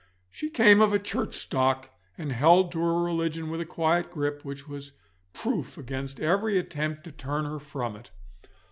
She came of a Church stock, and held to her religion with a quiet grip which was proof against every attempt to turn her from it.